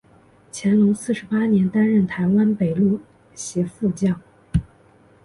乾隆四十八年担任台湾北路协副将。